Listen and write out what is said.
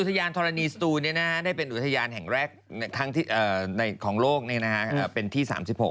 ทยานธรณีสตูนได้เป็นอุทยานแห่งแรกของโลกเป็นที่๓๖